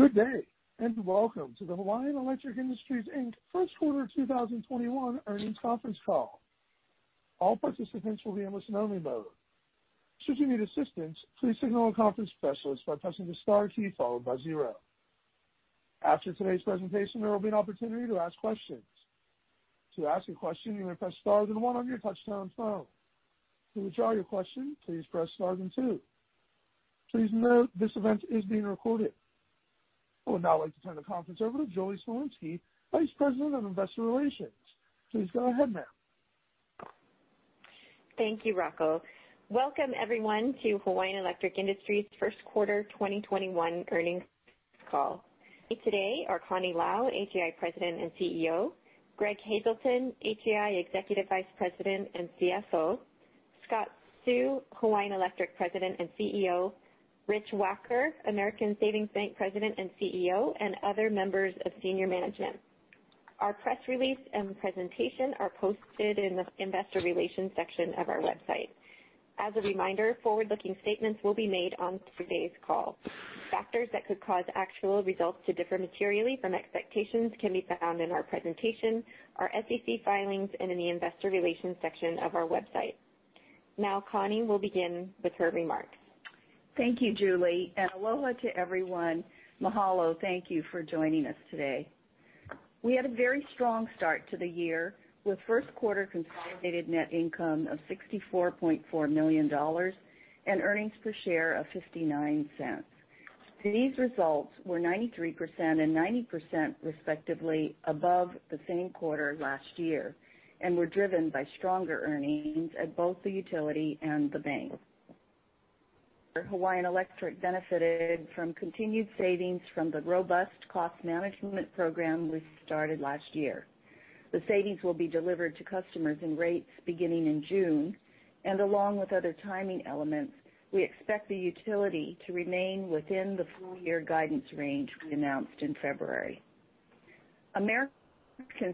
[Good day, and Welcome to the Hawaiian Electric Industries, Inc. First Quarter 2021 Earnings Conference Call. All participants should be in only listen mode. Should you need assistance, please signal the conference specialists by pressing the star key followed by zero. After today's presentations, there will be an opportunity to ask questions. To ask your question, you may press star and one on your telephone. To withdraw your question, please press star two. Please note, this event is being recorded.] I would now like to turn the conference over to Julie Slanina, Vice President of Investor Relations. Please go ahead, ma'am. Thank you, Rocco. Welcome everyone to Hawaiian Electric Industries' first quarter 2021 earnings call. Here today are Connie Lau, HEI President and CEO; Greg Hazelton, HEI Executive Vice President and CFO; Scott Seu, Hawaiian Electric President and CEO; Rich Wacker, American Savings Bank President and CEO; and other members of senior management. Our press release and presentation are posted in the investor relations section of our website. As a reminder, forward-looking statements will be made on today's call. Factors that could cause actual results to differ materially from expectations can be found in our presentation, our SEC filings, and in the investor relations section of our website. Now, Connie will begin with her remarks. Thank you, Julie, and aloha to everyone. Mahalo. Thank you for joining us today. We had a very strong start to the year with first quarter consolidated net income of $64.4 million and earnings per share of $0.59. Today's results were 93% and 90% respectively above the same quarter last year, and were driven by stronger earnings at both the utility and the bank. Hawaiian Electric benefited from continued savings from the robust cost management program we started last year. The savings will be delivered to customers in rates beginning in June, and along with other timing elements, we expect the utility to remain within the full-year guidance range we announced in February. American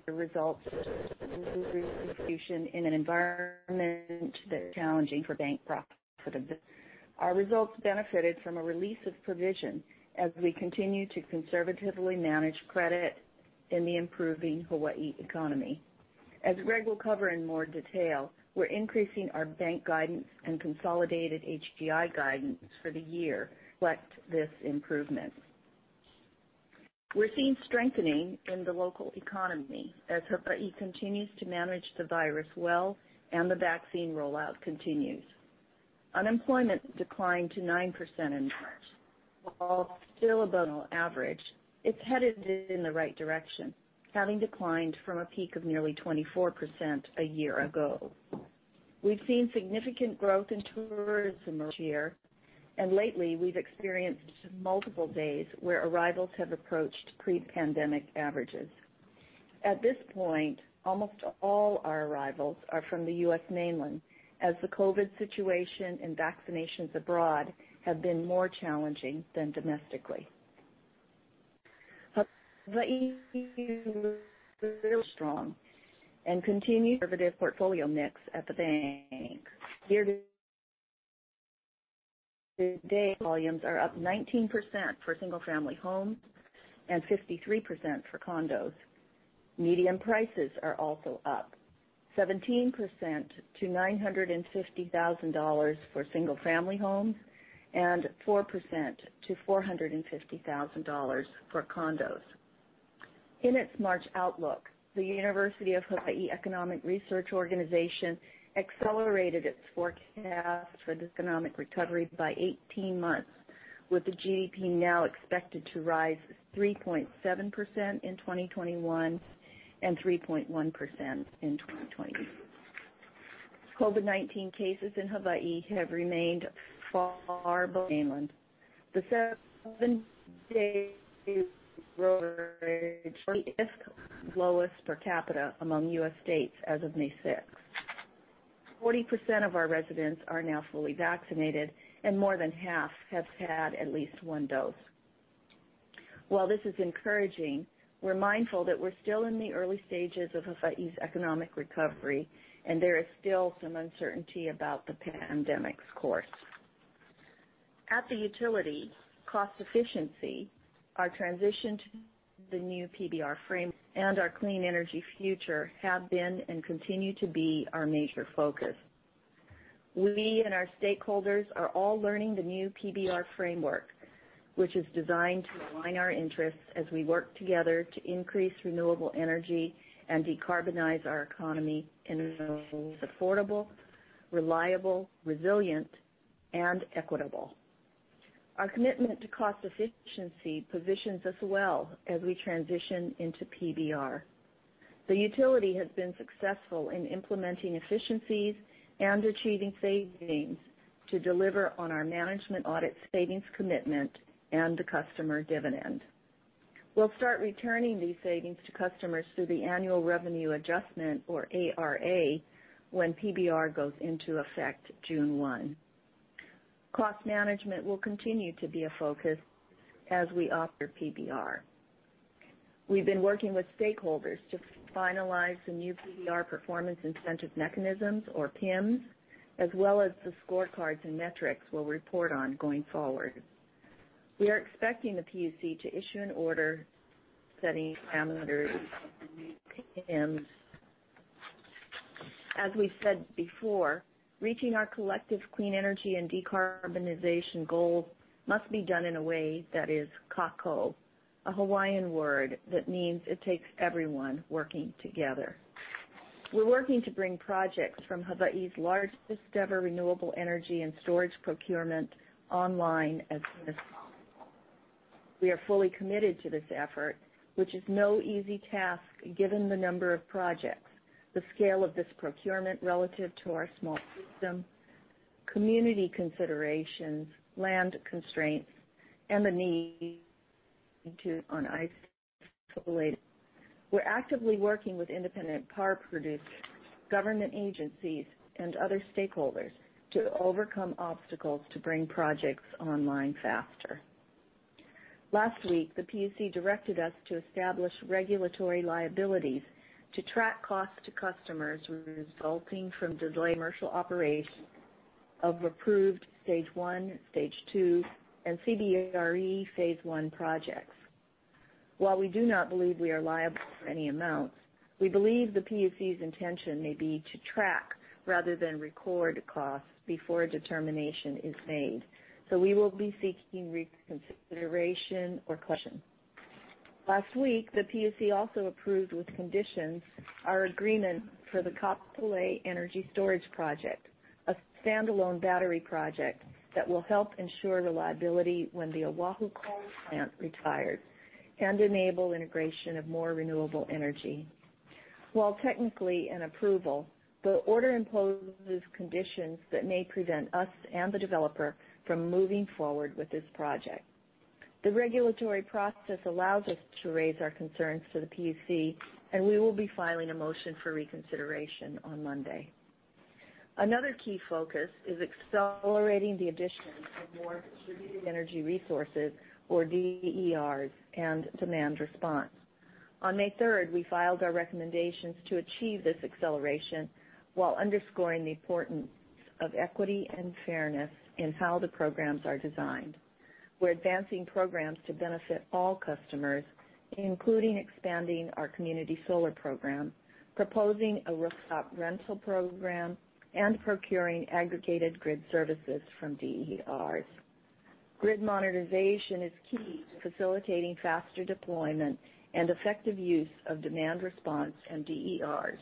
results in an environment that's challenging for bank profits. Our results benefited from a release of provision as we continue to conservatively manage credit in the improving Hawaii economy. As Greg will cover in more detail, we're increasing our bank guidance and consolidated HEI guidance for the year, reflect this improvement. We're seeing strengthening in the local economy as Hawaii continues to manage the virus well and the vaccine rollout continues. Unemployment declined to 9% in March. While still above normal average, it's headed in the right direction, having declined from a peak of nearly 24% a year ago. We've seen significant growth in tourism this year, and lately we've experienced multiple days where arrivals have approached pre-pandemic averages. At this point, almost all our arrivals are from the U.S. mainland, as the COVID situation and vaccinations abroad have been more challenging than domestically. Hawaii is strong and continues conservative portfolio mix at the bank. Year-to-date volumes are up 19% for single family homes and 53% for condos. Median prices are also up 17% to $950,000 for single family homes and 4% to $450,000 for condos. In its March outlook, the University of Hawaii Economic Research Organization accelerated its forecast for this economic recovery by 18 months, with the GDP now expected to rise 3.7% in 2021 and 3.1% in 2022. COVID-19 cases in Hawaii have remained far below the mainland. The seven-day average is lowest per capita among U.S. states as of May 6th. 40% of our residents are now fully vaccinated, and more than half have had at least one dose. While this is encouraging, we're mindful that we're still in the early stages of Hawaii's economic recovery, and there is still some uncertainty about the pandemic's course. At the utility, cost efficiency, our transition to the new PBR frame, and our clean energy future have been and continue to be our major focus. We and our stakeholders are all learning the new PBR framework, which is designed to align our interests as we work together to increase renewable energy and decarbonize our economy in affordable, reliable, resilient, and equitable. Our commitment to cost efficiency positions us well as we transition into PBR. The utility has been successful in implementing efficiencies and achieving savings to deliver on our management audit savings commitment and the customer dividend. We'll start returning these savings to customers through the annual revenue adjustment, or ARA, when PBR goes into effect June 1. Cost management will continue to be a focus as we opt for PBR. We've been working with stakeholders to finalize the new PBR performance incentive mechanisms or PIMs, as well as the scorecards and metrics we'll report on going forward. We are expecting the PUC to issue an order setting parameters of the new PIMs. As we said before, reaching our collective clean energy and decarbonization goals must be done in a way that is kākou, a Hawaiian word that means it takes everyone working together. We're working to bring projects from Hawaii's largest ever renewable energy and storage procurement online as soon as possible. We are fully committed to this effort, which is no easy task given the number of projects, the scale of this procurement relative to our small system, community considerations, land constraints, and the need to on ice related. We're actively working with independent power producers, government agencies, and other stakeholders to overcome obstacles to bring projects online faster. Last week, the PUC directed us to establish regulatory liabilities to track costs to customers resulting from delayed commercial operation of approved stage 1, stage 2, and CBRE phase 1 projects. While we do not believe we are liable for any amounts, we believe the PUC's intention may be to track rather than record costs before a determination is made. We will be seeking reconsideration or question. Last week, the PUC also approved with conditions our agreement for the Kahe Battery Energy Storage System, a standalone battery project that will help ensure reliability when the Oahu coal plant retires and enable integration of more renewable energy. While technically an approval, the order imposes conditions that may prevent us and the developer from moving forward with this project. The regulatory process allows us to raise our concerns to the PUC, and we will be filing a motion for reconsideration on Monday. Another key focus is accelerating the addition of more distributed energy resources, or DERs, and demand response. On May 3rd, we filed our recommendations to achieve this acceleration while underscoring the importance of equity and fairness in how the programs are designed. We're advancing programs to benefit all customers, including expanding our community solar program, proposing a rooftop rental program, and procuring aggregated grid services from DERs. Grid monetization is key to facilitating faster deployment and effective use of demand response and DERs.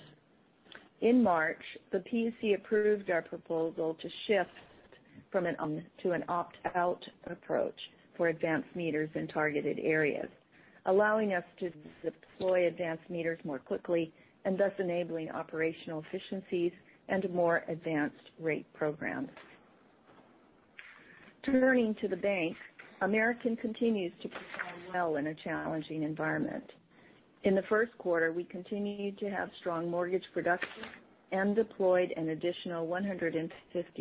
In March, the PUC approved our proposal to shift to an opt-out approach for advanced meters in targeted areas, allowing us to deploy advanced meters more quickly and thus enabling operational efficiencies and more advanced rate programs. Turning to the bank, American continues to perform well in a challenging environment. In the first quarter, we continued to have strong mortgage production and deployed an additional $150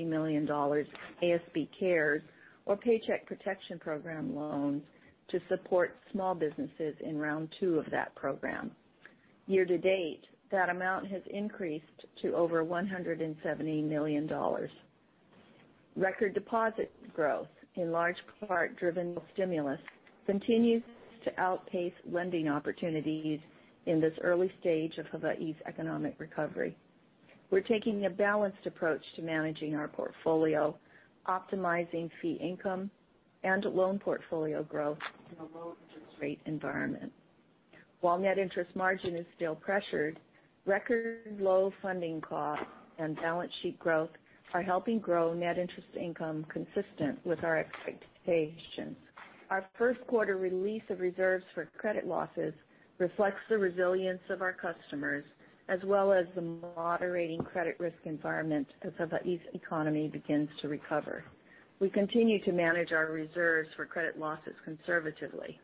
million ASB CARES or Paycheck Protection Program loans to support small businesses in round 2 of that program. Year-to-date, that amount has increased to over $170 million. Record deposit growth, in large part driven by stimulus, continues to outpace lending opportunities in this early stage of Hawaii's economic recovery. We're taking a balanced approach to managing our portfolio, optimizing fee income and loan portfolio growth in a low interest rate environment. While net interest margin is still pressured, record low funding costs and balance sheet growth are helping grow net interest income consistent with our expectations. Our first quarter release of reserves for credit losses reflects the resilience of our customers, as well as the moderating credit risk environment as Hawaii's economy begins to recover. We continue to manage our reserves for credit losses conservatively.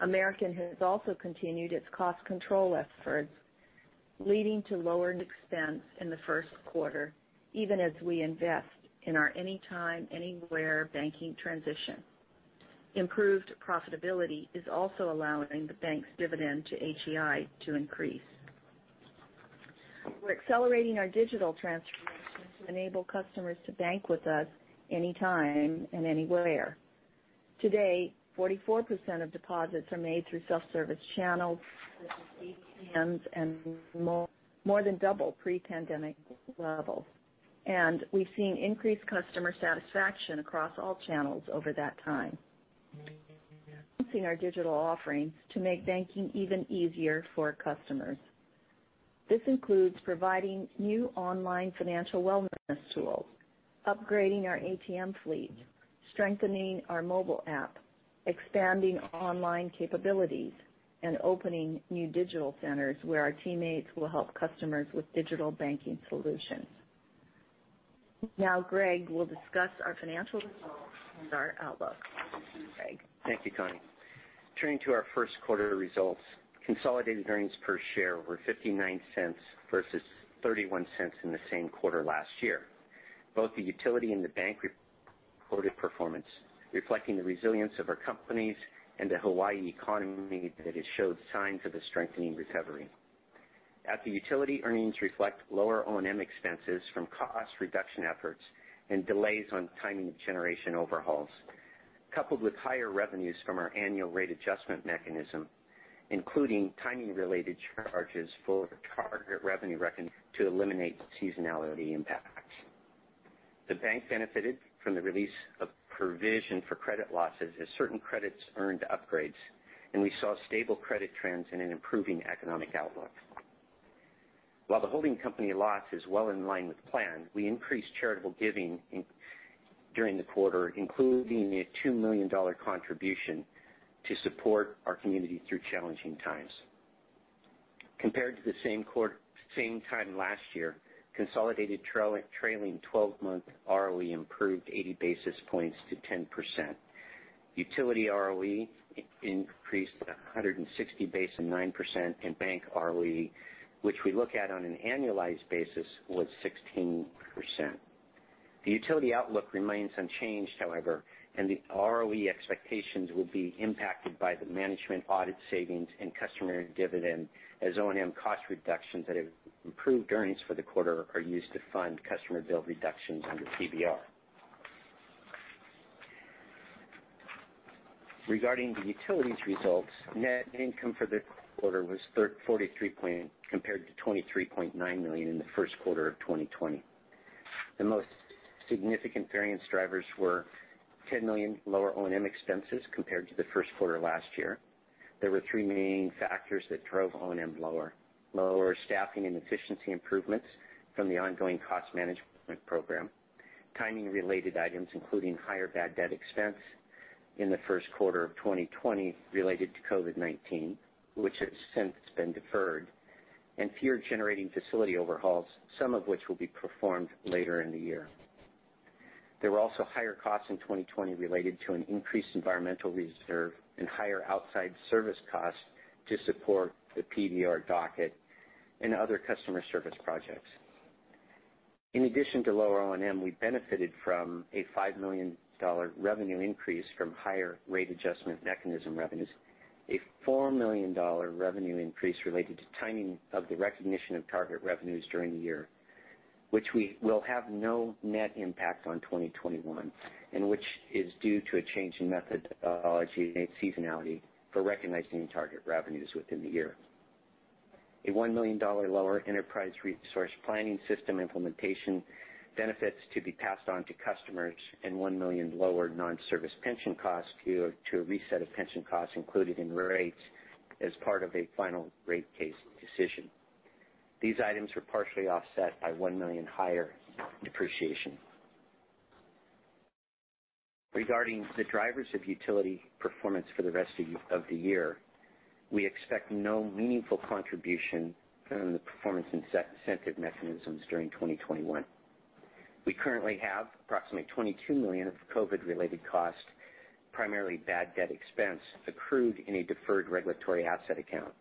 American has also continued its cost control efforts, leading to lowered expense in the first quarter, even as we invest in our anytime, anywhere banking transition. Improved profitability is also allowing the bank's dividend to HEI to increase. We're accelerating our digital transformation to enable customers to bank with us anytime and anywhere. Today, 44% of deposits are made through self-service channels such as ATMs and more than double pre-pandemic levels. We've seen increased customer satisfaction across all channels over that time. Enhancing our digital offerings to make banking even easier for customers. This includes providing new online financial wellness tools, upgrading our ATM fleet, strengthening our mobile app, expanding online capabilities, and opening new digital centers where our teammates will help customers with digital banking solutions. Now, Greg will discuss our financial results and our outlook. Greg? Thank you, Connie. Turning to our first quarter results, consolidated earnings per share were $0.59 versus $0.31 in the same quarter last year. Both the utility and the bank reported performance, reflecting the resilience of our companies and the Hawaii economy that has showed signs of a strengthening recovery. At the utility, earnings reflect lower O&M expenses from cost reduction efforts and delays on timing of generation overhauls, coupled with higher revenues from our annual rate adjustment mechanism, including timing-related charges for target revenue recognition to eliminate seasonality impacts. The bank benefited from the release of provision for credit losses as certain credits earned upgrades, and we saw stable credit trends and an improving economic outlook. While the holding company loss is well in line with plan, we increased charitable giving during the quarter, including a $2 million contribution to support our community through challenging times. Compared to the same time last year, consolidated trailing 12-month ROE improved 80 basis points to 10%. Utility ROE increased 160 basis, 9%, and bank ROE, which we look at on an annualized basis, was 16%. The utility outlook remains unchanged, however, the ROE expectations will be impacted by the management audit savings and customer dividend as O&M cost reductions that have improved earnings for the quarter are used to fund customer bill reductions under PBR. Regarding the utilities results, net income for the quarter was $43 million compared to $23.9 million in the first quarter of 2020. The most significant variance drivers were $10 million lower O&M expenses compared to the first quarter last year. There were three main factors that drove O&M lower. Lower staffing and efficiency improvements from the ongoing cost management program, timing-related items, including higher bad debt expense in the first quarter of 2020 related to COVID-19, which has since been deferred, and fewer generating facility overhauls, some of which will be performed later in the year. There were also higher costs in 2020 related to an increased environmental reserve and higher outside service costs to support the PBR docket and other customer service projects. In addition to lower O&M, we benefited from a $5 million revenue increase from higher rate adjustment mechanism revenues, a $4 million revenue increase related to timing of the recognition of target revenues during the year, which will have no net impact on 2021, and which is due to a change in methodology and seasonality for recognizing target revenues within the year. A $1 million lower enterprise resource planning system implementation benefits to be passed on to customers, and $1 million lower non-service pension costs due to a reset of pension costs included in rates as part of a final rate case decision. These items were partially offset by $1 million higher depreciation. Regarding the drivers of utility performance for the rest of the year, we expect no meaningful contribution from the Performance Incentive Mechanisms during 2021. We currently have approximately $22 million of COVID-related cost, primarily bad debt expense, accrued in a deferred regulatory asset account.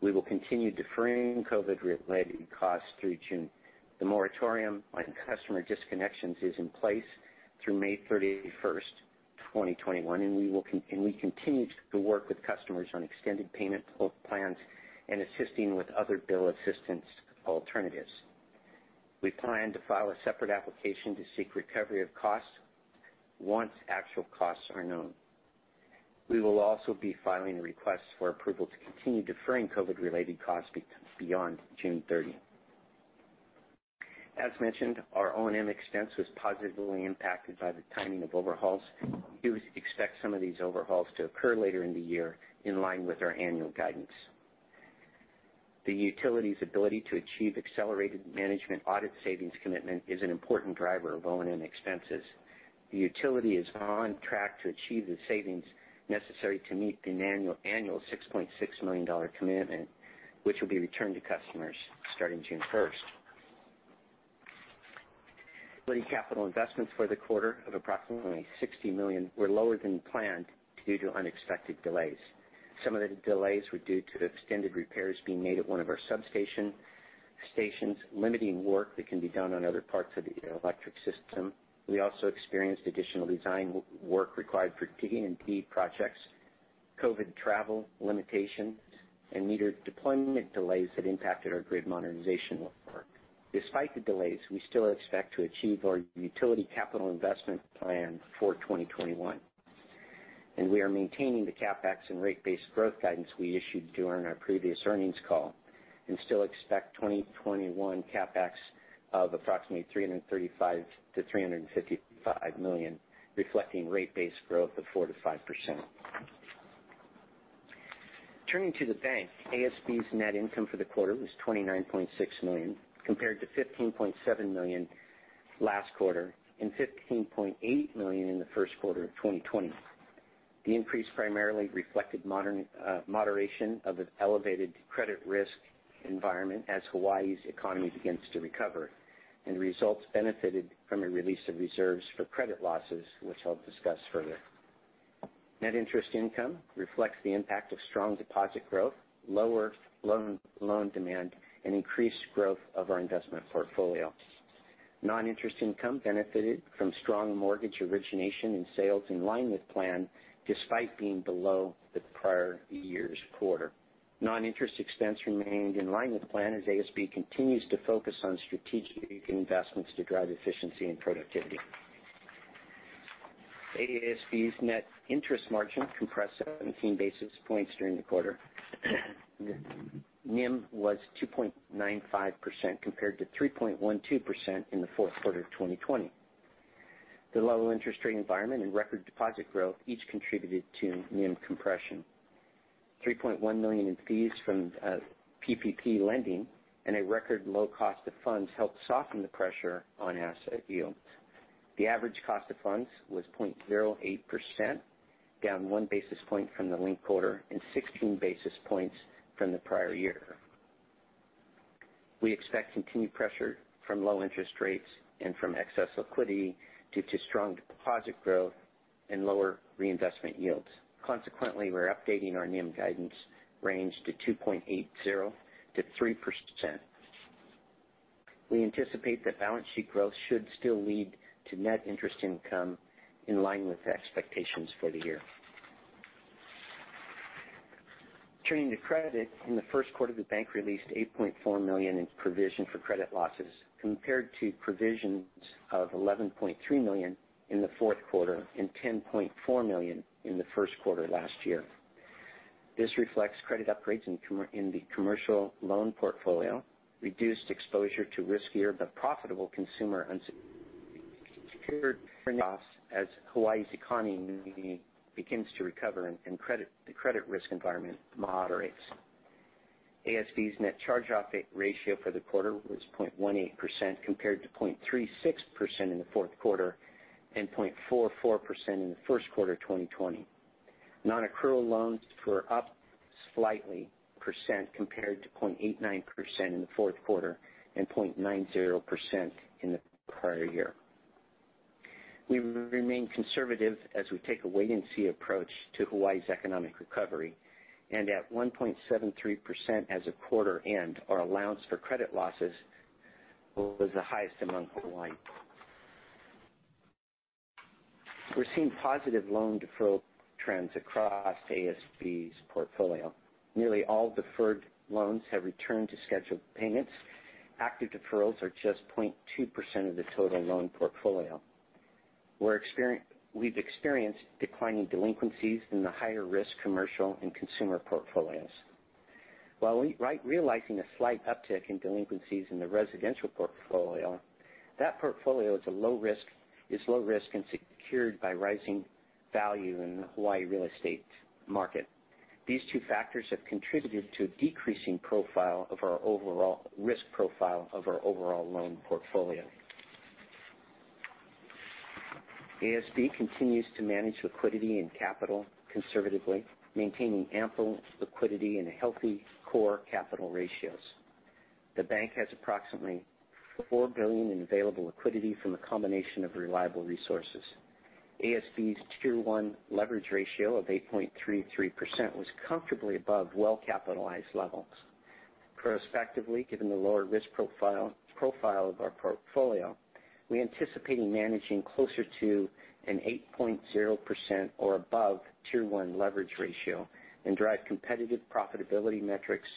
We will continue deferring COVID-related costs through June. The moratorium on customer disconnections is in place through May 31st, 2021, and we continue to work with customers on extended payment plans and assisting with other bill assistance alternatives. We plan to file a separate application to seek recovery of costs once actual costs are known. We will also be filing requests for approval to continue deferring COVID-related costs beyond June 30. As mentioned, our O&M expense was positively impacted by the timing of overhauls. We expect some of these overhauls to occur later in the year, in line with our annual guidance. The utility's ability to achieve accelerated management audit savings commitment is an important driver of O&M expenses. The utility is on track to achieve the savings necessary to meet an annual $6.6 million commitment, which will be returned to customers starting June 1st. Utility capital investments for the quarter of approximately $60 million were lower than planned due to unexpected delays. Some of the delays were due to extended repairs being made at one of our substations, limiting work that can be done on other parts of the electric system. We also experienced additional design work required for T&D projects, COVID travel limitations, and meter deployment delays that impacted our grid modernization work. [Despite the delays, we still expect to achieve our utility capital investment plan for 2021.] We are maintaining the CapEx and rate base growth guidance we issued during our previous earnings call and still expect 2021 CapEx of approximately $335 million-$355 million, reflecting rate base growth of 4%-5%. Turning to the bank, ASB's net income for the quarter was $29.6 million, compared to $15.7 million last quarter and $15.8 million in the first quarter of 2020. The increase primarily reflected moderation of an elevated credit risk environment as Hawaii's economy begins to recover, and results benefited from a release of reserves for credit losses, which I'll discuss further. Net interest income reflects the impact of strong deposit growth, lower loan demand, and increased growth of our investment portfolio. Non-interest income benefited from strong mortgage origination and sales in line with plan, despite being below the prior year's quarter. Non-interest expense remained in line with plan as ASB continues to focus on strategic investments to drive efficiency and productivity. ASB's net interest margin compressed 17 basis points during the quarter. NIM was 2.95% compared to 3.12% in the fourth quarter of 2020. The low interest rate environment and record deposit growth each contributed to NIM compression. $3.1 million in fees from PPP lending and a record low cost of funds helped soften the pressure on asset yields. The average cost of funds was 0.08%, down one basis point from the linked quarter and 16 basis points from the prior year. We expect continued pressure from low interest rates and from excess liquidity due to strong deposit growth and lower reinvestment yields. Consequently, we're updating our NIM guidance range to 2.80%-3%. We anticipate that balance sheet growth should still lead to net interest income in line with expectations for the year. Turning to credit. In the first quarter, the bank released $8.4 million in provision for credit losses, compared to provisions of $11.3 million in the fourth quarter and $10.4 million in the first quarter last year. This reflects credit upgrades in the commercial loan portfolio, reduced exposure to riskier but profitable consumer as Hawaii's economy begins to recover and the credit risk environment moderates. ASB's net charge-off ratio for the quarter was 0.18%, compared to 0.36% in the fourth quarter and 0.44% in the first quarter of 2020. Non-accrual loans were up slightly percent compared to 0.89% in the fourth quarter and 0.90% in the prior year. We remain conservative as we take a wait-and-see approach to Hawaii's economic recovery, and at 1.73% as of quarter end, our allowance for credit losses was the highest among Hawaiian peers. We're seeing positive loan deferral trends across ASB's portfolio. Nearly all deferred loans have returned to scheduled payments. Active deferrals are just 0.2% of the total loan portfolio. We've experienced declining delinquencies in the higher risk commercial and consumer portfolios. While realizing a slight uptick in delinquencies in the residential portfolio, that portfolio is low risk and secured by rising value in the Hawaii real estate market. These two factors have contributed to a decreasing risk profile of our overall loan portfolio. ASB continues to manage liquidity and capital conservatively, maintaining ample liquidity and healthy core capital ratios. The bank has approximately $4 billion in available liquidity from a combination of reliable resources. ASB's Tier 1 leverage ratio of 8.33% was comfortably above well-capitalized levels. Prospectively, given the lower risk profile of our portfolio, we anticipate managing closer to an 8.0% or above Tier 1 leverage ratio and drive competitive profitability metrics,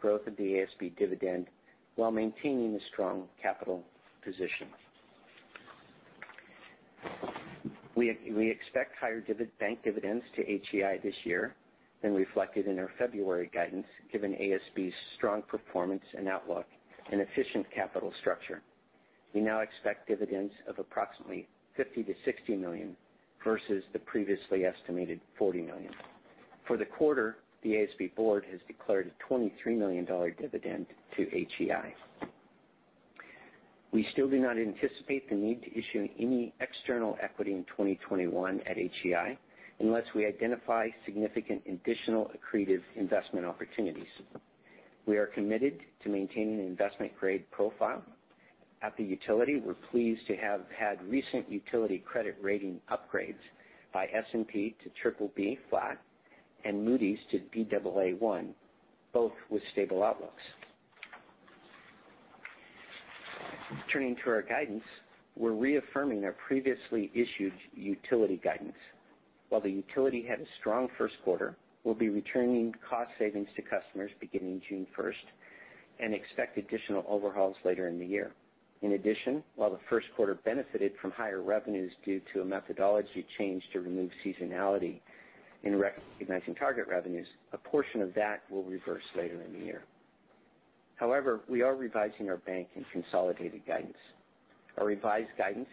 growth of the ASB dividend, while maintaining a strong capital position. We expect higher bank dividends to HEI this year than reflected in our February guidance, given ASB's strong performance and outlook and efficient capital structure. We now expect dividends of approximately $50 million-$60 million, versus the previously estimated $40 million. For the quarter, the ASB board has declared a $23 million dividend to HEI. We still do not anticipate the need to issue any external equity in 2021 at HEI, unless we identify significant additional accretive investment opportunities. We are committed to maintaining an investment-grade profile. At the utility, we're pleased to have had recent utility credit rating upgrades by S&P to BBB flat and Moody's to Baa1, both with stable outlooks. Turning to our guidance. We're reaffirming our previously issued utility guidance. While the utility had a strong first quarter, we'll be returning cost savings to customers beginning June 1st and expect additional overhauls later in the year. In addition, while the first quarter benefited from higher revenues due to a methodology change to remove seasonality in recognizing target revenues, a portion of that will reverse later in the year. We are revising our bank and consolidated guidance. Our revised guidance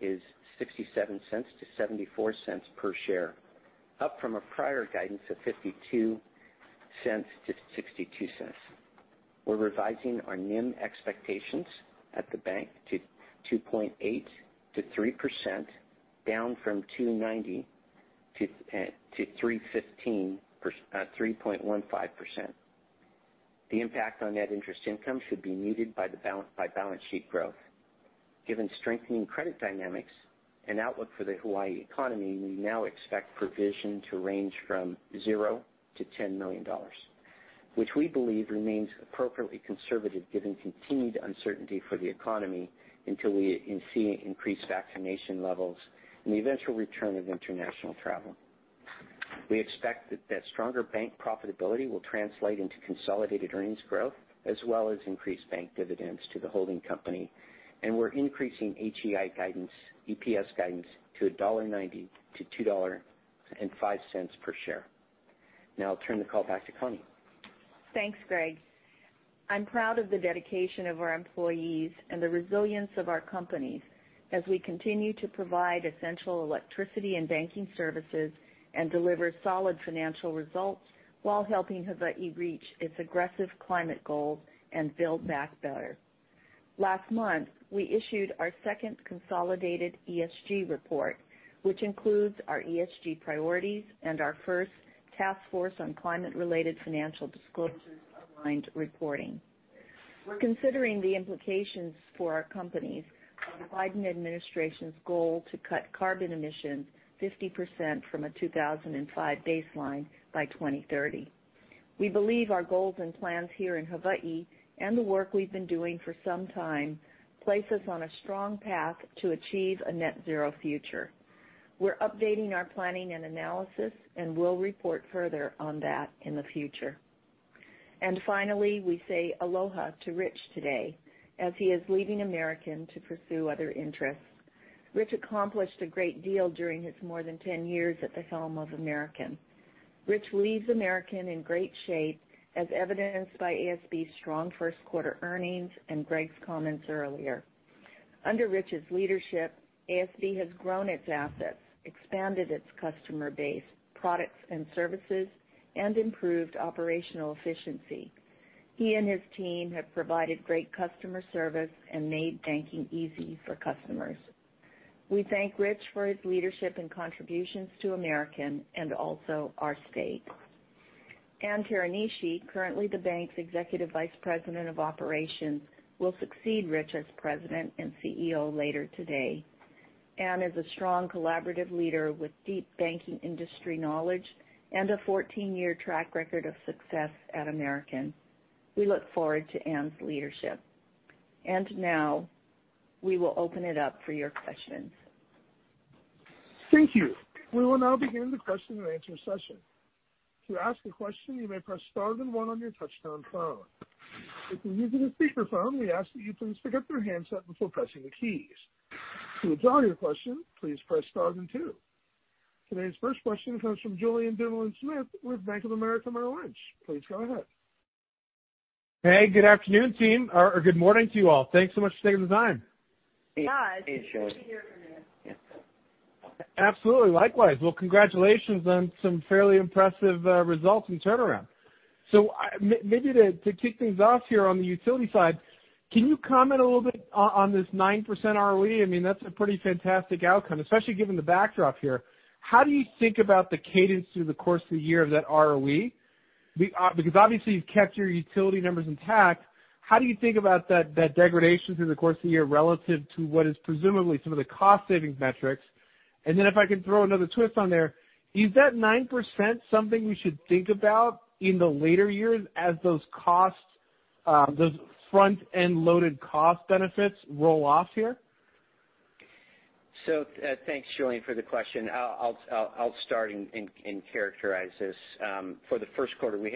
is $0.67-$0.74 per share, up from a prior guidance of $0.52-$0.62. We're revising our NIM expectations at the bank to 2.8%-3%, down from 2.90%-3.15%. The impact on net interest income should be muted by balance sheet growth. Given strengthening credit dynamics and outlook for the Hawaii economy, we now expect provision to range from $0 to $10 million, which we believe remains appropriately conservative given continued uncertainty for the economy until we see increased vaccination levels and the eventual return of international travel. We expect that stronger bank profitability will translate into consolidated earnings growth as well as increased bank dividends to the holding company, we're increasing HEI guidance, EPS guidance to $1.90-$2.05 per share. Now I'll turn the call back to Connie. Thanks, Greg. I'm proud of the dedication of our employees and the resilience of our companies as we continue to provide essential electricity and banking services and deliver solid financial results while helping Hawaii reach its aggressive climate goals and build back better. Last month, we issued our second consolidated ESG report, which includes our ESG priorities and our first task force on climate-related financial disclosures aligned reporting. We're considering the implications for our companies of the Biden administration's goal to cut carbon emissions 50% from a 2005 baseline by 2030. We believe our goals and plans here in Hawaii and the work we've been doing for some time place us on a strong path to achieve a net zero future. We're updating our planning and analysis, and we'll report further on that in the future. Finally, we say aloha to Rich today as he is leaving American to pursue other interests. Rich accomplished a great deal during his more than 10 years at the helm of American. Rich leaves American in great shape, as evidenced by ASB's strong first quarter earnings and Greg's comments earlier. Under Rich's leadership, ASB has grown its assets, expanded its customer base, products, and services, and improved operational efficiency. He and his team have provided great customer service and made banking easy for customers. We thank Rich for his leadership and contributions to American and also our state. Ann Teranishi, currently the bank's Executive Vice President of Operations, will succeed Rich as President and CEO later today. Ann is a strong collaborative leader with deep banking industry knowledge and a 14-year track record of success at American. We look forward to Ann's leadership. Now we will open it up for your questions. Thank you. We will now begin the question and answer session. To ask a question, you may press star then one on your touchtone phone. If you're using a speakerphone, we ask that you please pick up your handset before pressing the keys. To withdraw your question, please press star then two. Today's first question comes from Julien Dumoulin-Smith with Bank of America Merrill Lynch. Please go ahead. Hey, good afternoon, team, or good morning to you all. Thanks so much for taking the time. Hi. Good to be here. Absolutely. Likewise. Well, congratulations on some fairly impressive results and turnaround. Maybe to kick things off here on the utility side, can you comment a little bit on this 9% ROE? That's a pretty fantastic outcome, especially given the backdrop here. How do you think about the cadence through the course of the year of that ROE? Because obviously you've kept your utility numbers intact. How do you think about that degradation through the course of the year relative to what is presumably some of the cost-saving metrics? Then if I can throw another twist on there, is that 9% something we should think about in the later years as those front-end loaded cost benefits roll off here? Thanks, Julien, for the question. I'll start and characterize this. For the first quarter, we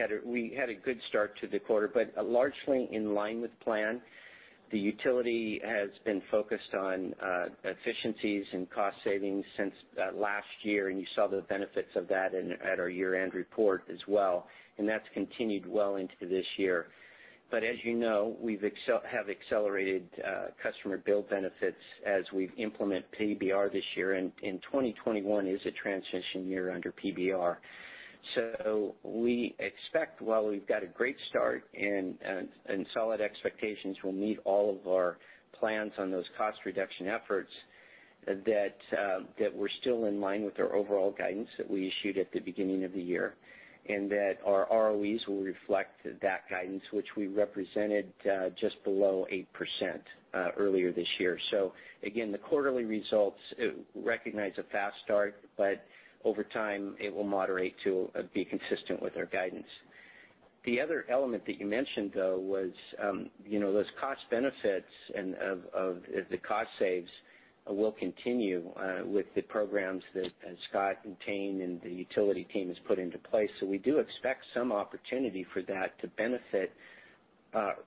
had a good start to the quarter, but largely in line with plan. The utility has been focused on efficiencies and cost savings since last year, and you saw the benefits of that at our year-end report as well, and that's continued well into this year. As you know, we have accelerated customer bill benefits as we implement PBR this year, and 2021 is a transition year under PBR. We expect while we've got a great start and solid expectations, we'll meet all of our plans on those cost reduction efforts that we're still in line with our overall guidance that we issued at the beginning of the year, and that our ROEs will reflect that guidance, which we represented just below 8% earlier this year. Again, the quarterly results recognize a fast start, but over time, it will moderate to be consistent with our guidance. The other element that you mentioned, though, was those cost benefits of the cost saves will continue with the programs that Scott and Tayne and the utility team has put into place. We do expect some opportunity for that to benefit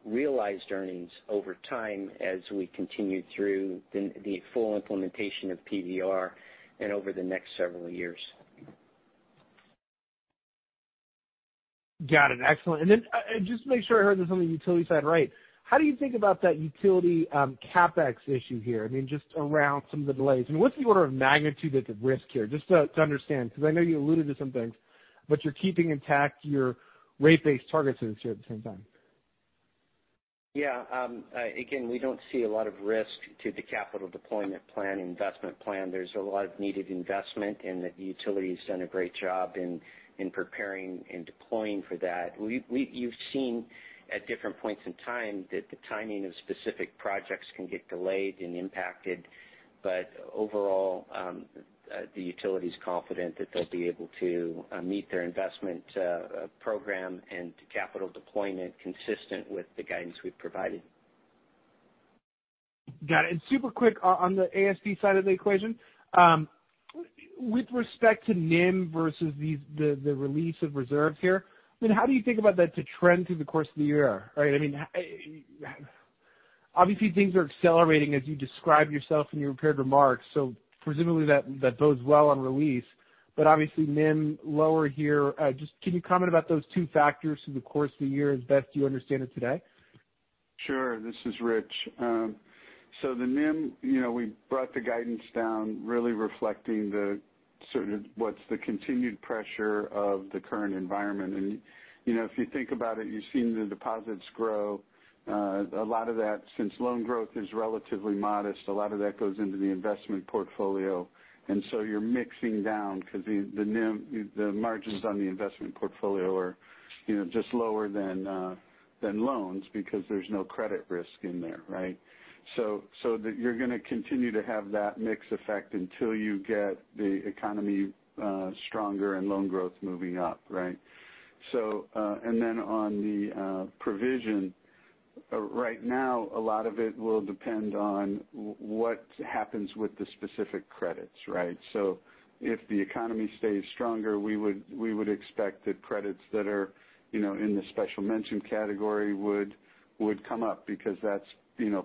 realized earnings over time as we continue through the full implementation of PBR and over the next several years. Got it. Excellent. Then just to make sure I heard this on the utility side right, how do you think about that utility CapEx issue here, just around some of the delays? What's the order of magnitude that's at risk here, just to understand? Because I know you alluded to some things, but you're keeping intact your rate-based targets this year at the same time. Yeah. Again, we don't see a lot of risk to the capital deployment plan, investment plan. There's a lot of needed investment, and the utility's done a great job in preparing and deploying for that. You've seen at different points in time that the timing of specific projects can get delayed and impacted. Overall, the utility's confident that they'll be able to meet their investment program and capital deployment consistent with the guidance we've provided. Got it. Super quick on the ASB side of the equation. With respect to NIM versus the release of reserves here, how do you think about that to trend through the course of the year, right? [I mean,] obviously, things are accelerating as you describe yourself in your prepared remarks, so presumably that bodes well on release, but obviously NIM lower here. Just can you comment about those two factors through the course of the year as best you understand it today? Sure. This is Rich. The NIM, we brought the guidance down, really reflecting the sort of what's the continued pressure of the current environment. If you think about it, you've seen the deposits grow. Since loan growth is relatively modest, a lot of that goes into the investment portfolio. You're mixing down because the margins on the investment portfolio are just lower than loans because there's no credit risk in there, right? You're going to continue to have that mix effect until you get the economy stronger and loan growth moving up, right? On the provision, right now a lot of it will depend on what happens with the specific credits, right? If the economy stays stronger, we would expect that credits that are in the special mention category would come up because that's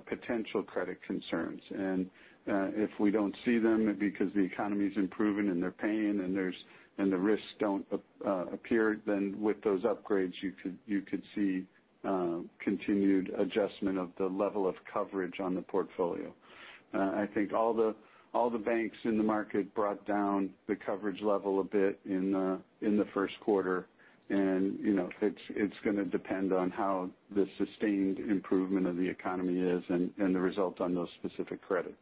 potential credit concerns. If we don't see them because the economy's improving and they're paying and the risks don't appear, then with those upgrades you could see continued adjustment of the level of coverage on the portfolio. I think all the banks in the market brought down the coverage level a bit in the first quarter, and it's going to depend on how the sustained improvement of the economy is and the results on those specific credits.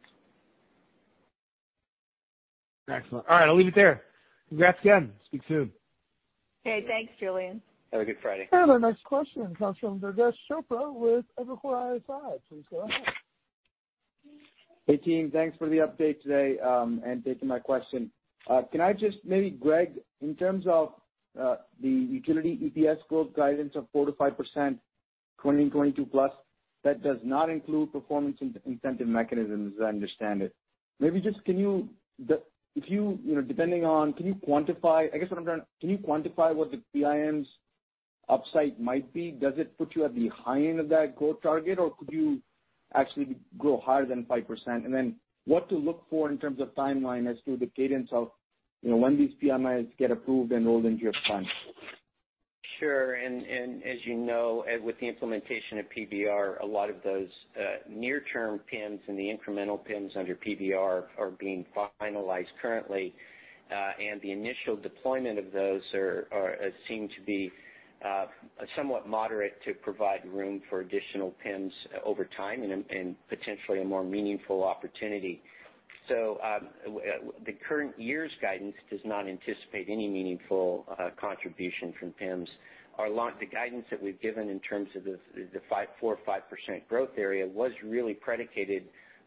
Excellent. All right, I'll leave it there. Congrats again. Speak soon. Okay, thanks Julien. Have a good Friday. Our next question comes from Durgesh Chopra with Evercore ISI. Please go ahead. Hey, team. Thanks for the update today, and taking my question. Can I just maybe, Greg, in terms of the utility EPS growth guidance of 4%-5% 2022-plus, that does not include performance incentive mechanisms as I understand it. Depending on can you quantify what the PIMs upside might be? Does it put you at the high end of that growth target, or could you actually grow higher than 5%? What to look for in terms of timeline as to the cadence of when these PIMs get approved and rolled into your plan? Sure. As you know, with the implementation of PBR, a lot of those near-term PIMs and the incremental PIMs under PBR are being finalized currently. The initial deployment of those seem to be somewhat moderate to provide room for additional PIMs over time and potentially a more meaningful opportunity. The current year's guidance does not anticipate any meaningful contribution from PIMs. The guidance that we've given in terms of the 4% or 5% growth area was really predicated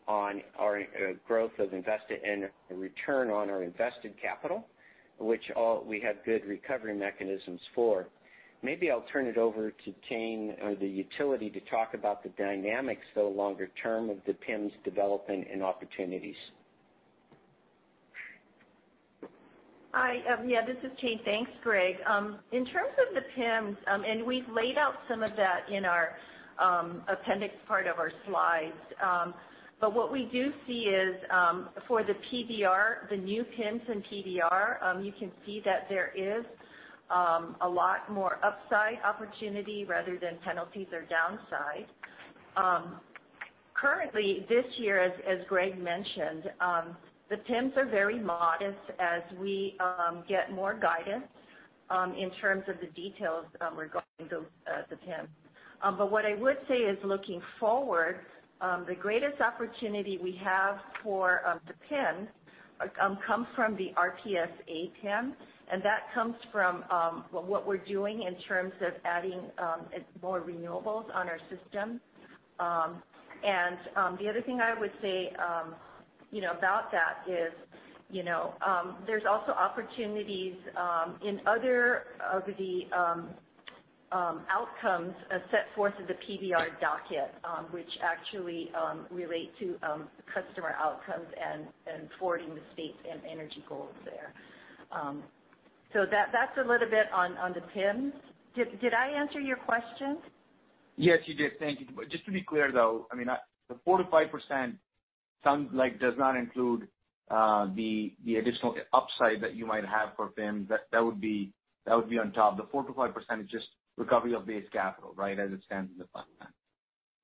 on our growth of invested and return on our invested capital, which we have good recovery mechanisms for. Maybe I'll turn it over to Tayne or the utility to talk about the dynamics, though, longer term of the PIMs developing and opportunities. Hi. Yeah, this is Tayne. Thanks, Greg Hazelton. In terms of the PIMs. We've laid out some of that in our appendix part of our slides. What we do see is for the PBR, the new PIMs in PBR, you can see that there is a lot more upside opportunity rather than penalties or downside. Currently this year, as Greg Hazelton mentioned, the PIMs are very modest as we get more guidance in terms of the details regarding the PIM. What I would say is looking forward, the greatest opportunity we have for the PIM comes from the RPS-A PIM. That comes from what we're doing in terms of adding more renewables on our system. The other thing I would say about that is there's also opportunities in other of the outcomes set forth in the PBR docket which actually relate to customer outcomes and forwarding the state and energy goals there. That's a little bit on the PIMs. Did I answer your question? Yes, you did. Thank you. Just to be clear, though, the 4%-5% does not include the additional upside that you might have for PIMs. That would be on top. The 4%-5% is just recovery of base capital, right, as it stands in the pipeline?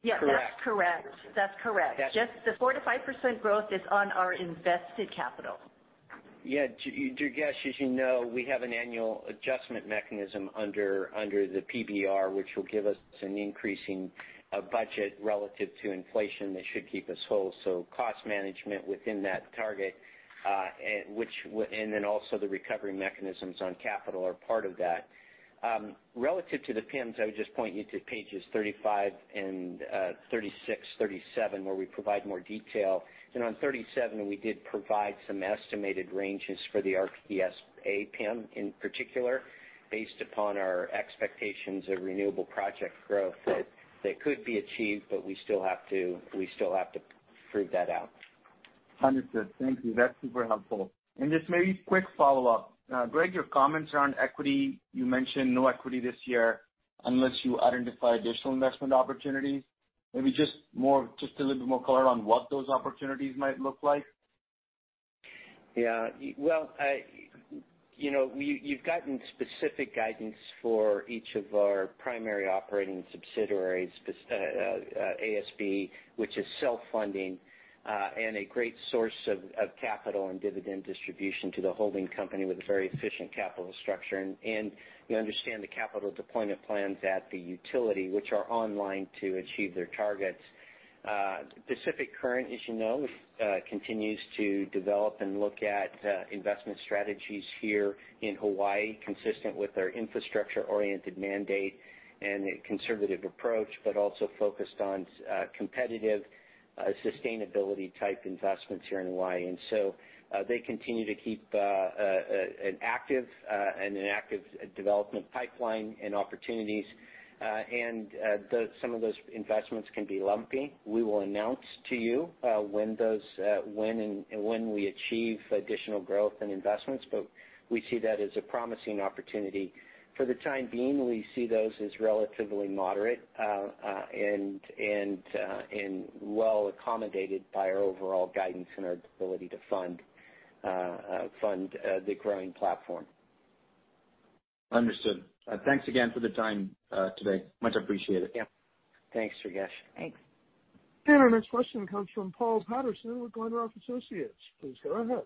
Yes. Correct. That's correct. The 4%-5% growth is on our invested capital. Yeah. Durgesh, as you know, we have an annual adjustment mechanism under the PBR, which will give us an increasing budget relative to inflation that should keep us whole. Cost management within that target, and then also the recovery mechanisms on capital are part of that. Relative to the PIMs, I would just point you to pages 35 and 36, 37, where we provide more detail. On 37, we did provide some estimated ranges for the RPS-A PIM, in particular, based upon our expectations of renewable project growth that could be achieved but we still have to prove that out. Understood. Thank you. That's super helpful. Just maybe a quick follow-up. Greg, your comments around equity, you mentioned no equity this year unless you identify additional investment opportunities. Maybe just a little bit more color on what those opportunities might look like. Well, you've gotten specific guidance for each of our primary operating subsidiaries, ASB, which is self-funding, and a great source of capital and dividend distribution to the holding company with a very efficient capital structure. You understand the capital deployment plans at the utility, which are online to achieve their targets. Pacific Current, as you know, continues to develop and look at investment strategies here in Hawaii, consistent with our infrastructure-oriented mandate and a conservative approach, also focused on competitive sustainability type investments here in Hawaii. They continue to keep an active development pipeline and opportunities. Some of those investments can be lumpy. We will announce to you when we achieve additional growth and investments, but we see that as a promising opportunity. For the time being, we see those as relatively moderate and well-accommodated by our overall guidance and our ability to fund the growing platform. Understood. Thanks again for the time today. Much appreciated. Yeah. Thanks, Durgesh Chopra. Thanks. Our next question comes from Paul Patterson with Glenrock Associates. Please go ahead.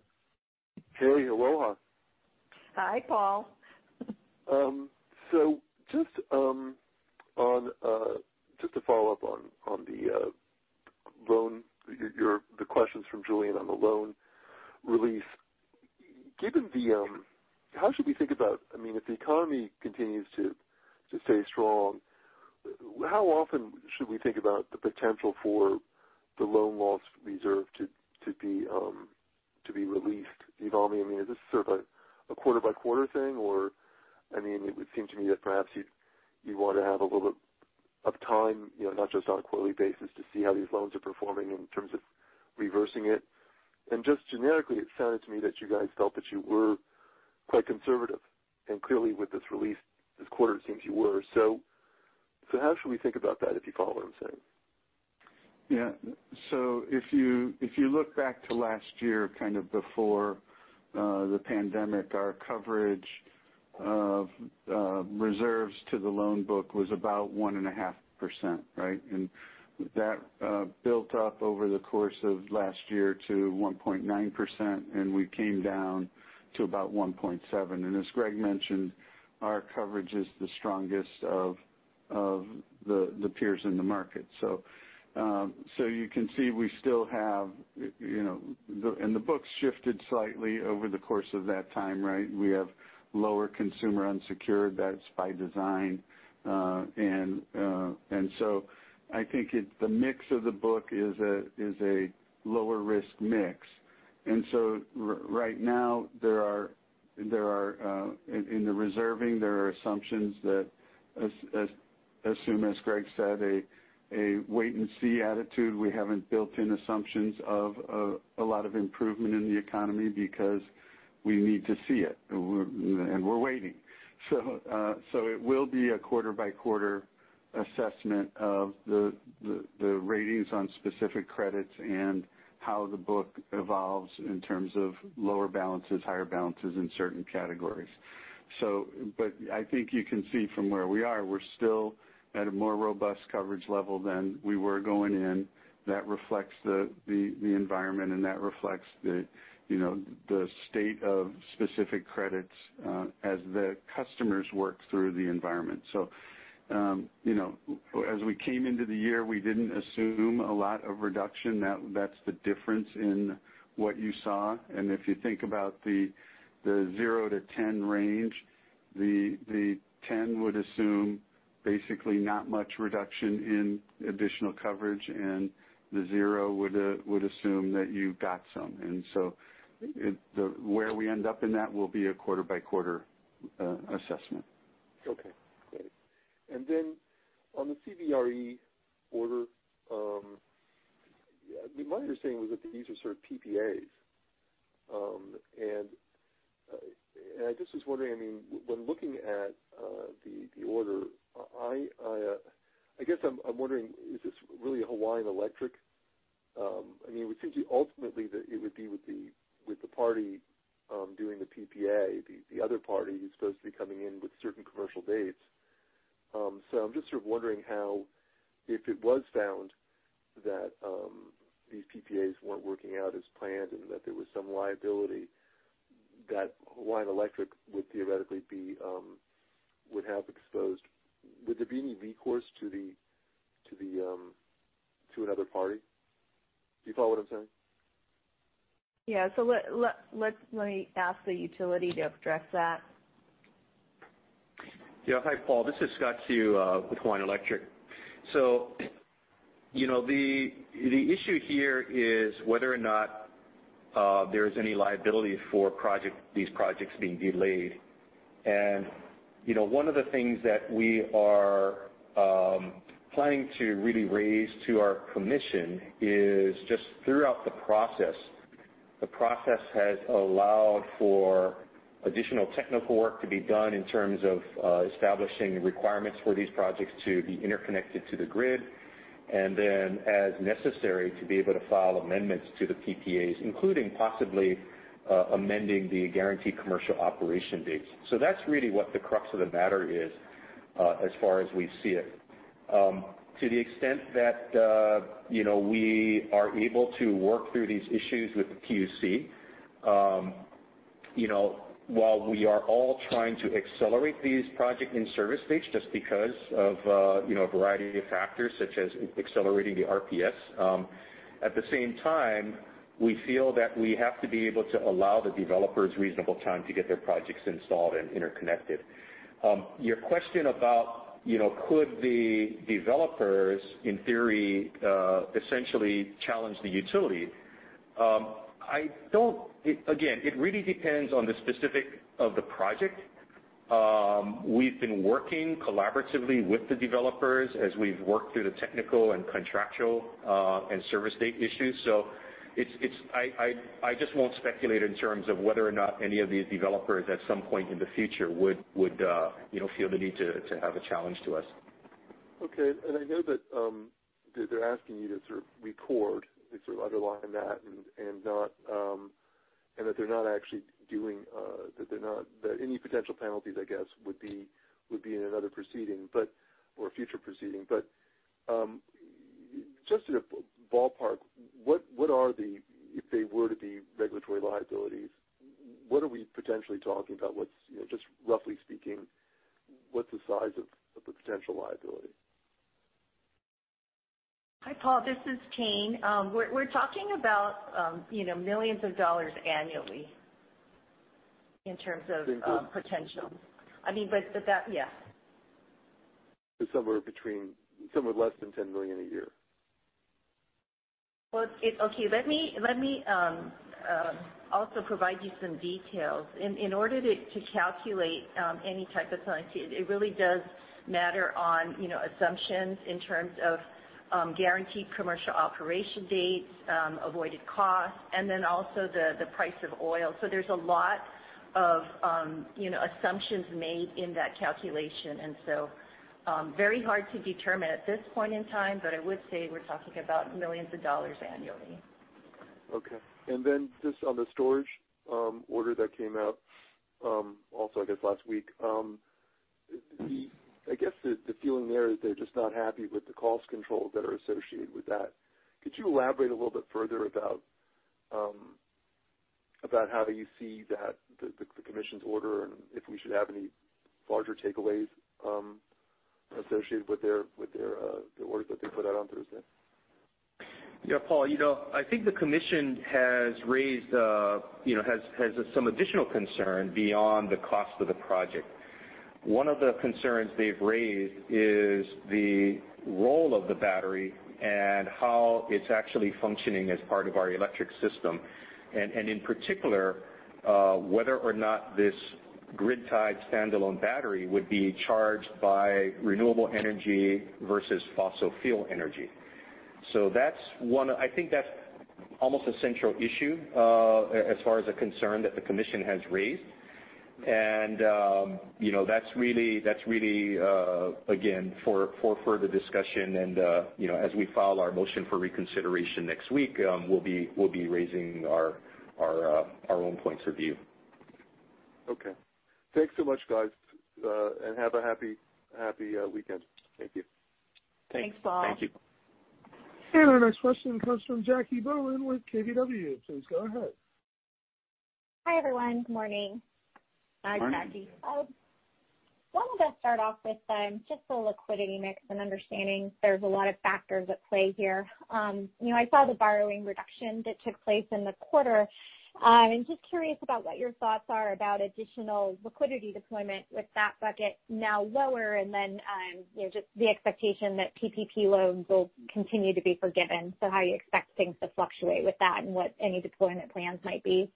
Hey. Aloha. Hi, Paul. Just to follow up on the questions from Julien on the loan release. How should we think about if the economy continues to stay strong, how often should we think about the potential for the loan loss reserve to be released? Do you know what I mean? Is this sort of a quarter-by-quarter thing or it would seem to me that perhaps you'd want to have a little bit of time not just on a quarterly basis to see how these loans are performing in terms of reversing it? Just generically, it sounded to me that you guys felt that you were quite conservative and clearly with this release this quarter, it seems you were. How should we think about that, if you follow what I'm saying? Yeah. If you look back to last year before the pandemic, our coverage of reserves to the loan book was about 1.5%, right? That built up over the course of last year to 1.9%, and we came down to about 1.7%. As Greg mentioned, our coverage is the strongest of the peers in the market. You can see the book's shifted slightly over the course of that time, right? We have lower consumer unsecured, that's by design. I think the mix of the book is a lower risk mix. Right now in the reserving, there are assumptions that assume, as Greg said, a wait-and-see attitude. We haven't built in assumptions of a lot of improvement in the economy because we need to see it, and we're waiting. It will be a quarter-by-quarter assessment of the ratings on specific credits and how the book evolves in terms of lower balances, higher balances in certain categories. I think you can see from where we are, we're still at a more robust coverage level than we were going in. That reflects the environment and that reflects the state of specific credits as the customers work through the environment. As we came into the year, we didn't assume a lot of reduction. That's the difference in what you saw. If you think about the 0 to 10 range, the 10 would assume basically not much reduction in additional coverage, and the 0 would assume that you got some. Where we end up in that will be a quarter-by-quarter assessment. Okay. Got it. On the CBRE order, my understanding was that these are sort of PPAs. I just was wondering, when looking at the order, I guess I'm wondering is this really Hawaiian Electric? It would seem to me ultimately that it would be with the party doing the PPA. The other party who's supposed to be coming in with certain commercial dates. I'm just sort of wondering how, if it was found that these PPAs weren't working out as planned and that there was some liability that Hawaiian Electric would theoretically have exposed, would there be any recourse to another party? Do you follow what I'm saying? Yeah. Let me ask the utility to address that. Yeah. Hi, Paul. This is Scott Seu with Hawaiian Electric. The issue here is whether or not there is any liability for these projects being delayed. One of the things that we are planning to really raise to our commission is just throughout the process. The process has allowed for additional technical work to be done in terms of establishing the requirements for these projects to be interconnected to the grid, and then as necessary, to be able to file amendments to the PPAs, including possibly amending the guaranteed commercial operation dates. That's really what the crux of the matter is, as far as we see it. To the extent that we are able to work through these issues with the PUC. While we are all trying to accelerate these project in-service dates just because of a variety of factors such as accelerating the RPS. At the same time, we feel that we have to be able to allow the developers reasonable time to get their projects installed and interconnected. Your question about could the developers, in theory, essentially challenge the utility? Again, it really depends on the specifics of the project. We've been working collaboratively with the developers as we've worked through the technical and contractual, and service date issues. I just won't speculate in terms of whether or not any of these developers, at some point in the future would feel the need to have a challenge to us. Okay. I know that they're asking you to sort of record and sort of underline that and that any potential penalties, I guess, would be in another proceeding, or a future proceeding. Just in a ballpark, if they were to be regulatory liabilities, what are we potentially talking about? Just roughly speaking, what's the size of the potential liability? Hi, Paul, this is Tayne. We're talking about millions of dollars annually in terms of potential. Somewhere less than $10 million a year? Well, okay. Let me also provide you some details. In order to calculate any type of penalty, it really does matter on assumptions in terms of guaranteed commercial operation dates, avoided costs, and then also the price of oil. There's a lot of assumptions made in that calculation, and so very hard to determine at this point in time. I would say we're talking about millions of dollars annually. Okay. Just on the storage order that came out also, I guess, last week. I guess the feeling there is they're just not happy with the cost controls that are associated with that. Could you elaborate a little bit further about how you see the Commission's order, and if we should have any larger takeaways associated with their orders that they put out on Thursday? Yeah, Paul. I think the commission has some additional concern beyond the cost of the project. One of the concerns they've raised is the role of the battery and how it's actually functioning as part of our electric system. In particular, whether or not this grid-tied standalone battery would be charged by renewable energy versus fossil fuel energy. [So that's one--] I think that's almost a central issue, as far as a concern that the commission has raised. That's really, again, for further discussion and as we file our motion for reconsideration next week, we'll be raising our own points of view. Okay. Thanks so much, guys. Have a happy weekend. Thank you. Thanks. Thanks, Paul. Thank you. Our next question comes from Jackie Bohlen with KBW. Please go ahead. Hi, everyone. Good morning. Morning. I wanted to start off with just the liquidity mix and understanding there's a lot of factors at play here. I saw the borrowing reduction that took place in the quarter. I'm just curious about what your thoughts are about additional liquidity deployment with that bucket now lower, and then just the expectation that PPP loans will continue to be forgiven. How you expect things to fluctuate with that and what any deployment plans might be?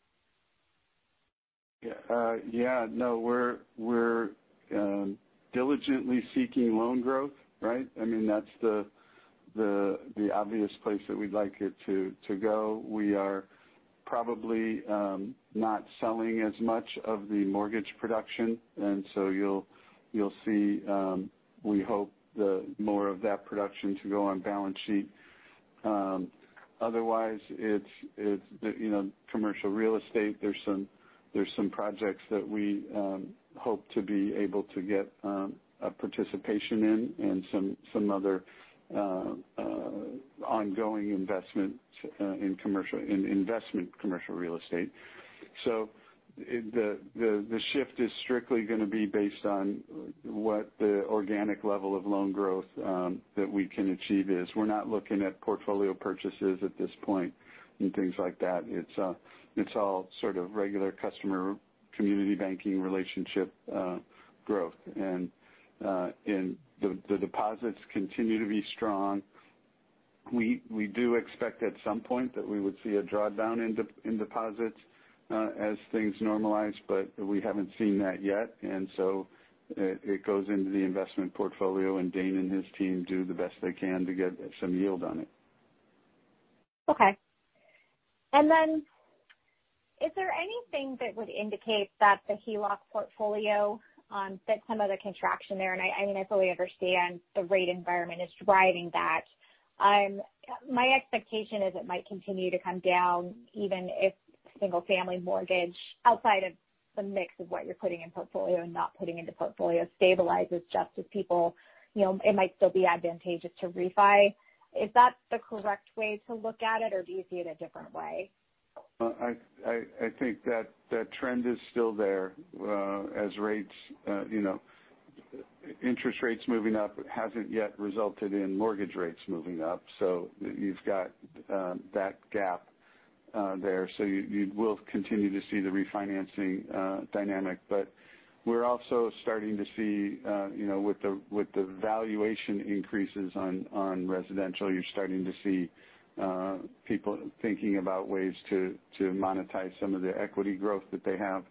Yeah. No, we're diligently seeking loan growth, right? That's the obvious place that we'd like it to go. We are probably not selling as much of the mortgage production, and so you'll see, we hope the more of that production to go on balance sheet. Otherwise, it's commercial real estate. There's some projects that we hope to be able to get participation in and some other ongoing investment in investment commercial real estate. The shift is strictly going to be based on what the organic level of loan growth that we can achieve is. We're not looking at portfolio purchases at this point and things like that. It's all sort of regular customer community banking relationship growth. The deposits continue to be strong. We do expect at some point that we would see a drawdown in deposits as things normalize, but we haven't seen that yet. It goes into the investment portfolio, and Dane and his team do the best they can to get some yield on it. Okay. [And then] is there anything that would indicate that the HELOC portfolio, that some of the contraction there, and I fully understand the rate environment is driving that. My expectation is it might continue to come down, even if single-family mortgage, outside of the mix of what you're putting in portfolio and not putting into portfolio, stabilizes just as people, it might still be advantageous to refi. Is that the correct way to look at it, or do you see it a different way? I think that trend is still there. Interest rates moving up hasn't yet resulted in mortgage rates moving up. You've got that gap there. You will continue to see the refinancing dynamic. We're also starting to see with the valuation increases on residential, you're starting to see people thinking about ways to monetize some of the equity growth that they have.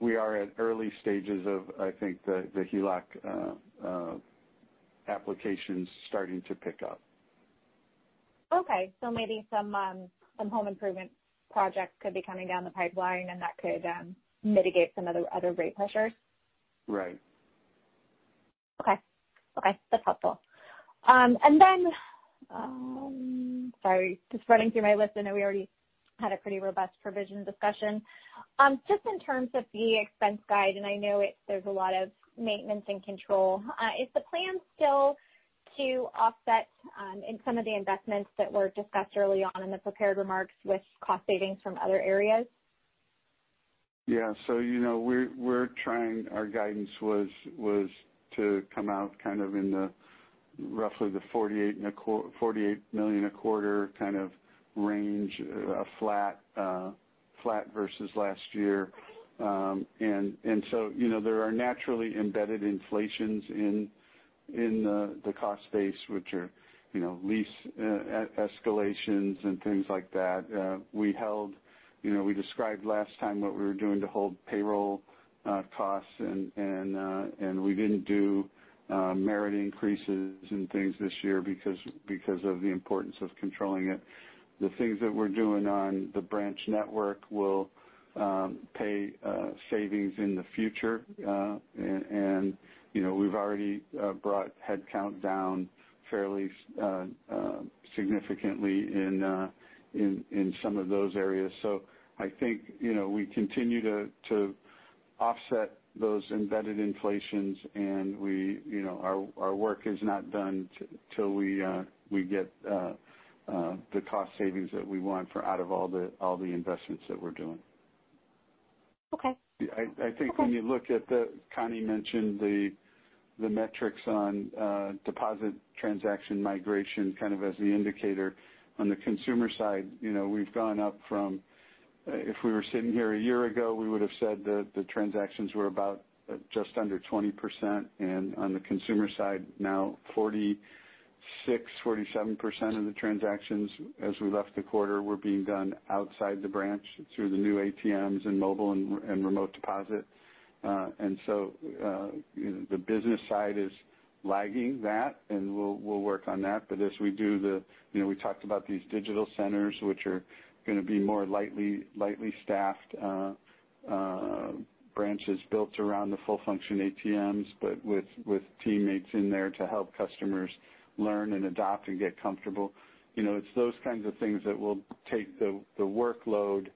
We are at early stages of, I think, the HELOC applications starting to pick up. Okay. Maybe some home improvement projects could be coming down the pipeline, and that could mitigate some of the other rate pressures? Right. Okay. That's helpful. Sorry, just running through my list. I know we already had a pretty robust provision discussion. Just in terms of the expense guide, I know there's a lot of maintenance and control. Is the plan still to offset in some of the investments that were discussed early on in the prepared remarks with cost savings from other areas? Yeah. [So, you know, we're trying--] our guidance was to come out kind of in the roughly the $48 million a quarter kind of range, flat versus last year. There are naturally embedded inflations in the cost base, which are lease escalations and things like that. We described last time what we were doing to hold payroll costs, and we didn't do merit increases and things this year because of the importance of controlling it. The things that we're doing on the branch network will pay savings in the future. We've already brought headcount down fairly significantly in some of those areas. I think we continue to offset those embedded inflations, and our work is not done till we get the cost savings that we want out of all the investments that we're doing. Okay. I think when you look at the Connie mentioned the metrics on deposit transaction migration kind of as the indicator. On the consumer side, we've gone up from if we were sitting here a year ago, we would've said that the transactions were about just under 20%. On the consumer side, now 46%, 47% of the transactions as we left the quarter were being done outside the branch through the new ATMs and mobile and remote deposit. The business side is lagging that, and we'll work on that. As we do the we talked about these digital centers, which are going to be more lightly staffed branches built around the full-function ATMs, but with teammates in there to help customers learn and adopt and get comfortable. It's those kinds of things that will take the workload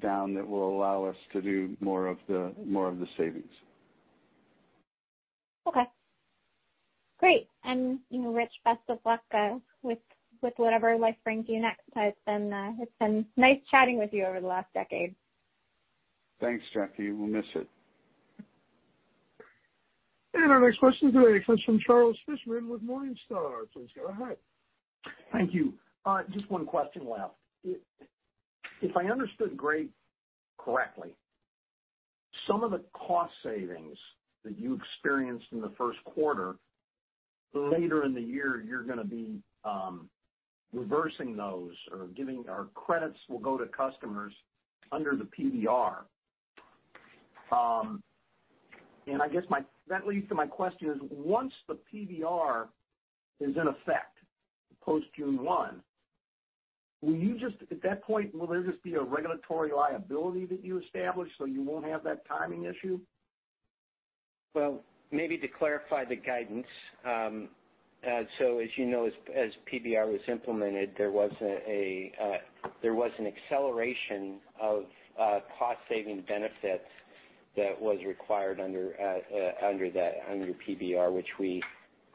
down that will allow us to do more of the savings. Okay. Great. Rich, best of luck with whatever life brings you next. It's been nice chatting with you over the last decade. Thanks, Jackie. We'll miss it. Our next question today comes from Charles Fishman with Morningstar. Please go ahead. Thank you. Just one question left. If I understood Greg correctly, some of the cost savings that you experienced in the first quarter, later in the year, you're going to be reversing those or credits will go to customers under the PBR. I guess that leads to my question is, once the PBR is in effect post June 1, at that point, will there just be a regulatory liability that you established so you won't have that timing issue? Maybe to clarify the guidance. As you know, as PBR was implemented, there was an acceleration of cost-saving benefits that was required under PBR, which we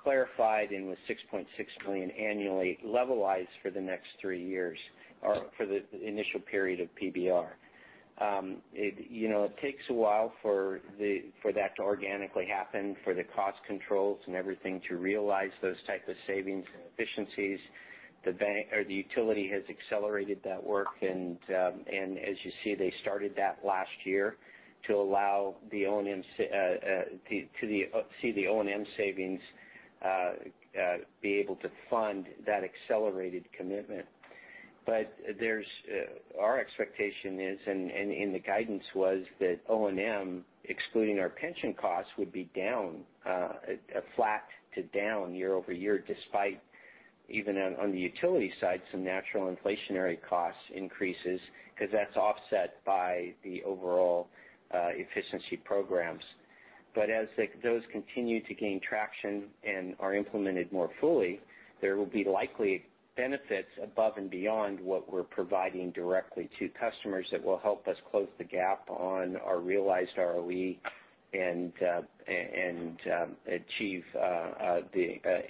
clarified and was $6.6 million annually levelized for the next three years or for the initial period of PBR. It takes a while for that to organically happen, for the cost controls and everything to realize those type of savings and efficiencies. The utility has accelerated that work and as you see, they started that last year to see the O&M savings be able to fund that accelerated commitment. Our expectation is, and the guidance was, that O&M, excluding our pension costs, would be flat to down year-over-year, despite even on the utility side, some natural inflationary costs increases, because that's offset by the overall efficiency programs. As those continue to gain traction and are implemented more fully, there will be likely benefits above and beyond what we're providing directly to customers that will help us close the gap on our realized ROE and achieve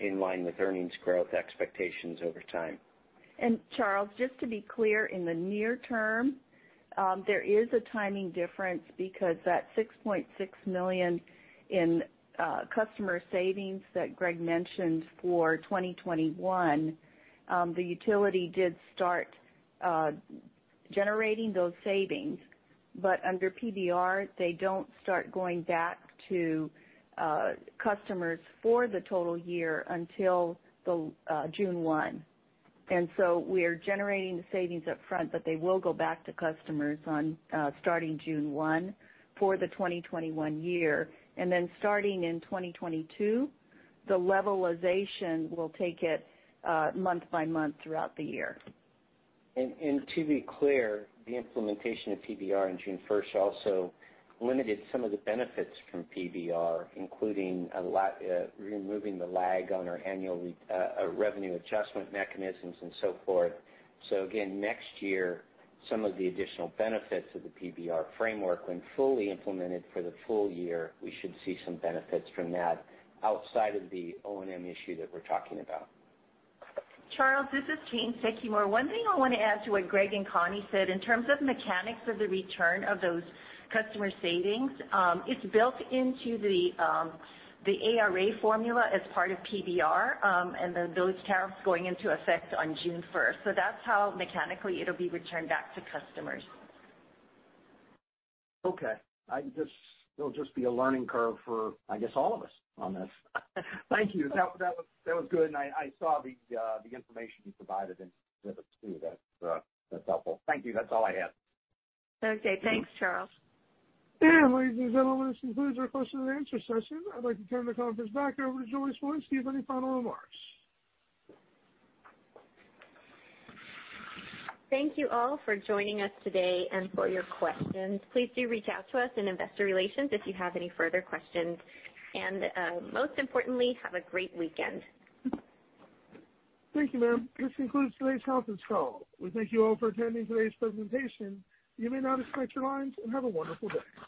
in line with earnings growth expectations over time. [And] Charles, just to be clear, in the near term, there is a timing difference because that $6.6 million in customer savings that Greg mentioned for 2021, the utility did start generating those savings. Under PBR, they don't start going back to customers for the total year until June 1. We are generating the savings up front, but they will go back to customers starting June 1 for the 2021 year. Starting in 2022, the levelization, will take it month by month throughout the year. To be clear, the implementation of PBR on June 1st also limited some of the benefits from PBR, including removing the lag on our annual revenue adjustment mechanisms and so forth. Again, next year, some of the additional benefits of the PBR framework, when fully implemented for the full year, we should see some benefits from that outside of the O&M issue that we're talking about. Charles, this is Tayne Sekimura. One thing I want to add to what Greg and Connie said, in terms of mechanics of the return of those customer savings, it's built into the ARA formula as part of PBR, and then those tariffs going into effect on June 1st. That's how mechanically it'll be returned back to customers. Okay. [I just--] it'll just be a learning curve for, I guess, all of us on this. Thank you. That was good. I saw the information you provided in the exhibits too. That's helpful. Thank you. That's all I had. Okay. Thanks, Charles. Ladies and gentlemen, this concludes our question and answer session. I'd like to turn the conference back over to Julie Smolinski for any final remarks. Thank you all for joining us today and for your questions. Please do reach out to us in Investor Relations if you have any further questions. Most importantly, have a great weekend. Thank you, ma'am. This concludes today's conference call. We thank you all for attending today's presentation. You may now disconnect your lines and have a wonderful day.